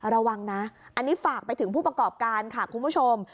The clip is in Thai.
ระวังนะอันนี้ฝากไปถึงผู้ประกอบการค่ะคุณผู้ชม